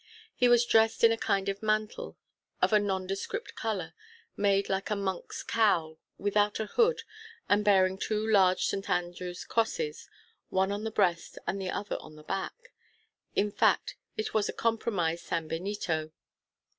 He was dressed in a kind of mantle, of a nondescript colour, made like a monk's cowl without the hood, and bearing two large St. Andrew's crosses, one on the breast and the other on the back; in fact, it was a compromised sanbenito.